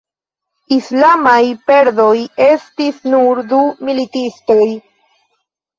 Islamaj perdoj estis nur du militistoj.